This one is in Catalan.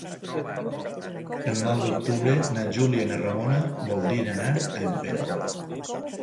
El nou d'octubre na Júlia i na Ramona voldrien anar a Emperador.